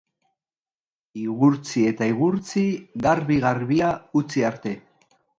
Igurtzi eta igurtzi, garbi-garbia utzi arte.